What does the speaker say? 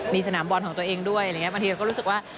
มีสนามบอลของตัวเองด้วยบางทีเราก็รู้สึกว่า